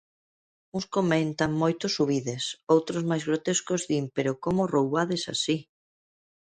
Uns comentan moito subides, outros máis grotescos din pero como roubades así.